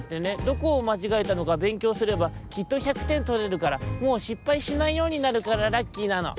どこをまちがえたのかべんきょうすればきっと１００てんとれるからもうしっぱいしないようになるからラッキーなの」。